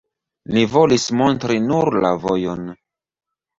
Ni volis montri nur la vojon.